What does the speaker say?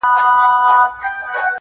بازاري ویل راځه چي ځو ترکوره!.